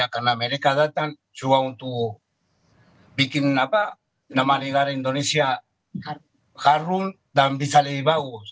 karena mereka datang cuma untuk bikin nama negara indonesia harum dan bisa lebih bagus